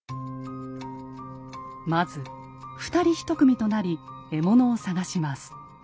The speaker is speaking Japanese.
まず二人一組となり獲物を探します。